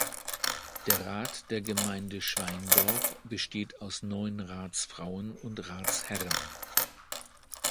Der Rat der Gemeinde Schweindorf besteht aus neun Ratsfrauen und Ratsherren.